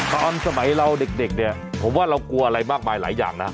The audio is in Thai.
ตอนสมัยเราเด็กเนี่ยผมว่าเรากลัวอะไรมากมายหลายอย่างนะ